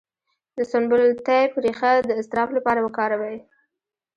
د سنبل الطیب ریښه د اضطراب لپاره وکاروئ